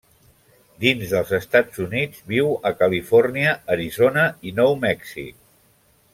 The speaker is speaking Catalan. Dins dels Estats Units, viu a Califòrnia, Arizona i Nou Mèxic.